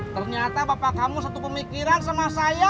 ternyata bapak kamu satu pemikiran sama saya